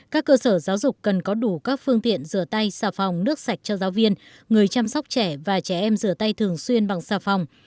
các cơ sở giáo dục cần có đủ các phương tiện rửa tay xà phòng nước sạch cho giáo viên người chăm sóc trẻ và trẻ em rửa tay thường xuyên bằng xà phòng